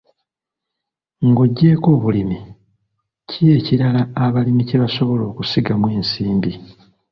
Ng'oggyeko obulimi, ki ekirala abalimi kye basobola okusigamu ensimbi?